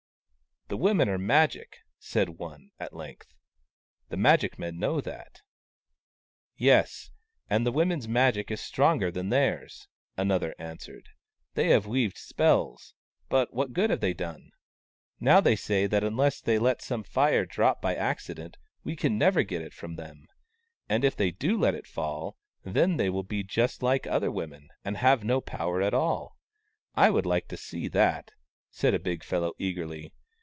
" The women are Magic," said one, at length. " The magic men know that." WAUNG, THE CROW 51 " Yes, and the women's Magic is stronger than theirs," another answered. " They have weaved spells, but what good have they done ?"" Now, they say that unless they let some Fire drop by accident, we can never get it from them : and if they do let it fall, then they will be just like other women, and have no power at all. I would like to see that !" said a big fellow, eagerly.